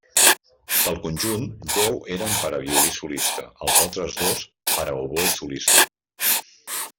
Del conjunt, deu eren per a violí solista; els altres dos, per a oboè solista.